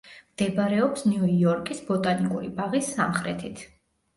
მდებარეობს ნიუ-იორკის ბოტანიკური ბაღის სამხრეთით.